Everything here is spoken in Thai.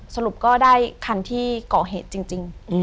สรุปก็ได้คันที่ก่อเหตุจริง